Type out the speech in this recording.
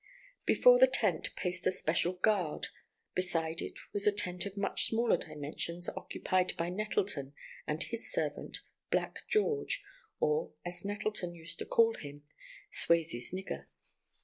Before this tent paced a special guard; beside it was a tent of much smaller dimensions, occupied by Nettleton and his servant, black George, or, as Nettleton used to call him, "Swasey's nigger."